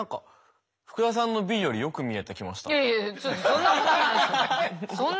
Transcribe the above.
そんなことないですよ。